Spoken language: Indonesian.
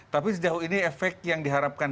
tapi sejauh ini efek yang diharapkan